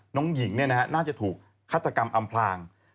น้องหญิงเนี่ยนะครับน่าจะถูกฆาตกรรมอำพลาง